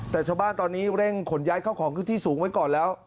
แต่ชาวบ้านตอนนี้เร่งขนย้ายเข้าของขึ้นที่สูงไว้ก่อนแล้ว